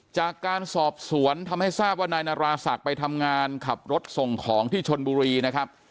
จากการสอบสวนทำให้ทราบว่านายนาราศักดิ์ไปทำงานขับรถส่งของที่ชนบุรีนะครับ